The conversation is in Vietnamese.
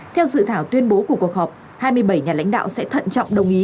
theo dự thảo tuyên bố của cuộc họp hai mươi bảy nhà lãnh đạo sẽ thận trọng đồng ý